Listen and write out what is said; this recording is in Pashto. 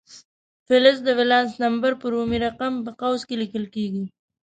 فلز د ولانس نمبر په رومي رقم په قوس کې لیکل کیږي.